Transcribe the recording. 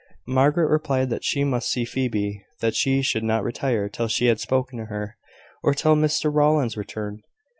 Margaret replied that she must see Phoebe that she should not retire till she had spoken to her, or till Mr Rowland's return.